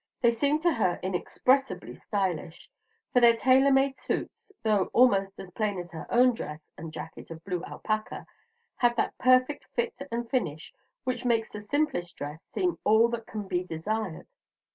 They seemed to her inexpressibly stylish; for their tailor made suits, though almost as plain as her own dress and jacket of blue alpaca, had that perfect fit and finish which makes the simplest dress seem all that can be desired.